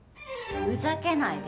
ふざけないで。